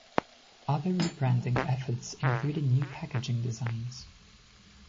Other rebranding efforts included new packaging designs.